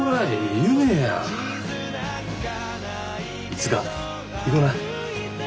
いつか行こな。